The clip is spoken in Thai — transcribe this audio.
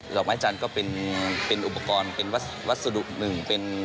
อกไม้จันทร์ก็เป็นอุปกรณ์เป็นวัสดุหนึ่งเป็น